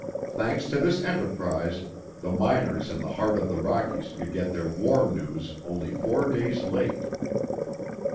Thanks to this enterprise, the miners in the heart of the Rockies could get their War news only four days late.